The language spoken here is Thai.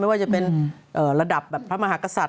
ว่าจะเป็นระดับแบบพระมหากษัตริย